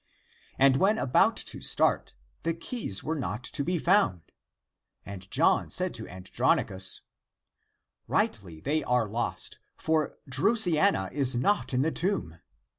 And when about to start, the keys were not to be found. And John said to Andronicus, " Rightly they are lost, for Drusiana is not in the tomb.